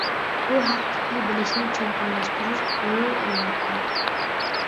بۇ ھەقتىكى بىلىشنى چوڭقۇرلاشتۇرۇش زۆرۈر، ئەلۋەتتە!